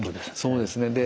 そうですね。